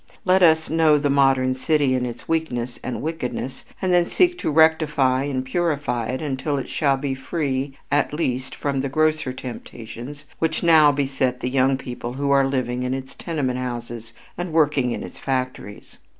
Let us know the modern city in its weakness and wickedness, and then seek to rectify and purify it until it shall be free at least from the grosser temptations which now beset the young people who are living in its tenement houses and working in its factories.